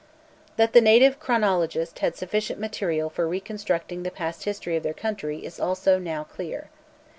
That the native chronologists had sufficient material for reconstructing the past history of their country, is also now clear.